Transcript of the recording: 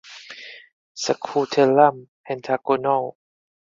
Scutellum pentagonal.